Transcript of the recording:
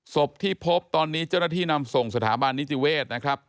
ศพที่พบตอนนี้เจ้าหน้าที่นำส่งสถาบันนิติเวศนะครับ